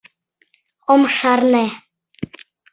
— Ом шарне...